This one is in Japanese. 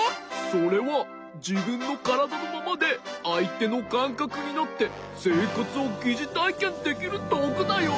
それはじぶんのからだのままであいてのかんかくになってせいかつをぎじたいけんできるどうぐだよ。